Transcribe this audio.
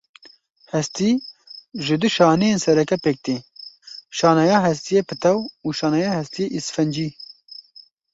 Hestî ji du şaneyên sereke pêk te, şaneya hestiyê pitew û şaneya hestiyê îsfencî.